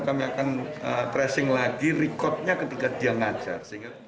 kami akan tracing lagi recordnya ketika dia ngajar